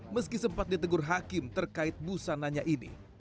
meski sempat ditegur hakim terkait busananya ini